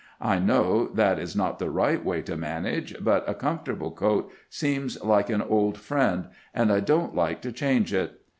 I know that is not the right way to manage, but a com fortable coat seems like an old friend, and I don't like 204 CAMPAIGNING WITH GEANT to change it."